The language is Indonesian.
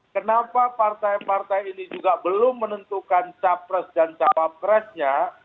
kenapa partai partai ini juga belum menentukan capres dan cawapresnya